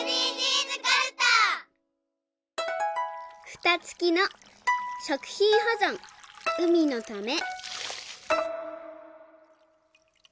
「ふたつきの食品ほぞん海のため」。